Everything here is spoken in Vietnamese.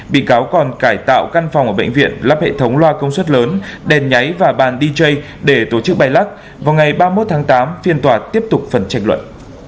bị cáo còn cải tạo căn phòng ở bệnh viện lắp hệ thống loa công suất lớn đèn nháy và bàn dj để tổ chức bay lắc vào ngày ba mươi một tháng tám phiên tòa tiếp tục phần tranh luận